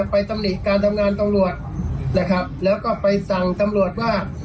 ตำหนิการทำงานตำรวจนะครับแล้วก็ไปสั่งตำรวจว่า